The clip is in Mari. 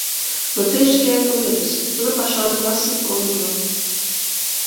Но тый шкеак ойлетыс: тудо пашазе классын онжо.